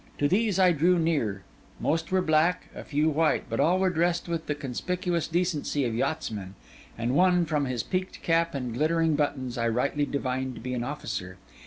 To these I drew near: most were black, a few white; but all were dressed with the conspicuous decency of yachtsmen; and one, from his peaked cap and glittering buttons, I rightly divined to be an officer.